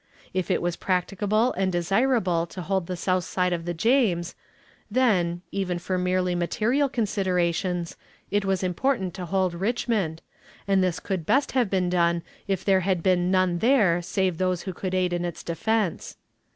If it was practicable and desirable to hold the south side of the James, then, even for merely material considerations, it was important to hold Richmond, and this could best have been done if there had been none there save those who could aid in its defense.